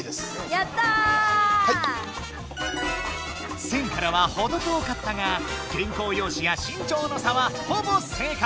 １，０００からはほど遠かったが原こう用紙や身長の差はほぼ正解。